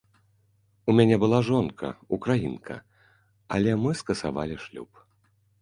У мяне была жонка, украінка, але мы скасавалі шлюб.